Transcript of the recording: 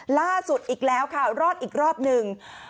ล่าสุดอีกแล้วค่ะรอดอีกรอบหนึ่ง